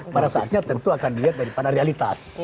pada saatnya tentu akan dilihat daripada realitas